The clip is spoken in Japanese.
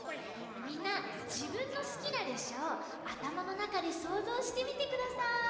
みんなじぶんのすきなれっしゃをあたまのなかでそうぞうしてみてください。